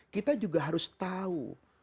kita juga harus tahu